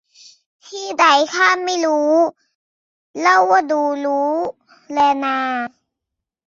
ที่ใดข้าไม่รู้ เล่าว่าดูรู้แลนา